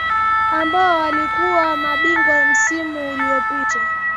ambao walikuwa mabingwa msimu uliopita